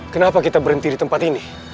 kenapa kita berhenti di tempat ini